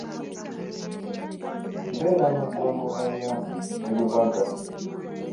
Mbeera mu ggombolola y'e Rubaga.